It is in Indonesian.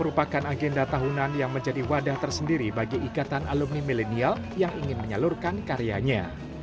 merupakan agenda tahunan yang menjadi wadah tersendiri bagi ikatan alumni milenial yang ingin menyalurkan karyanya